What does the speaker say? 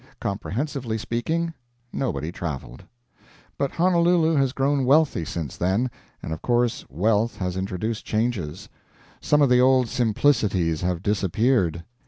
Comprehensively speaking, nobody traveled. But Honolulu has grown wealthy since then, and of course wealth has introduced changes; some of the old simplicities have disappeared.